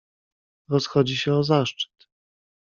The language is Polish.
"Rozchodzi się o zaszczyt."